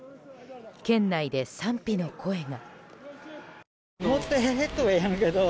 県内で賛否の声が。